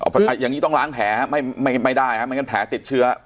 อ๋ออย่างงี้ต้องล้างแผลฮะไม่ไม่ได้ฮะมันก็แผลติดเชื้อ